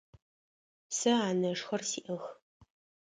Сэ анэшхэр сиӏэх.